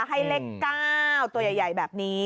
ให้เลข๙ตัวใหญ่แบบนี้